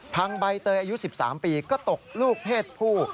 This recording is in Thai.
ใบเตยอายุ๑๓ปีก็ตกลูกเพศผู้